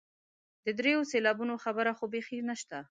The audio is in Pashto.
د دریو سېلابونو خبره خو بیخي نشته.